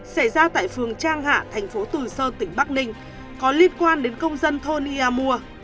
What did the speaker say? xảy ra tại phường trang hạ thành phố từ sơn tỉnh bắc ninh có liên quan đến công dân thôn ia mua